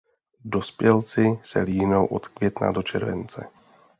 Dospělci se líhnou od května do července.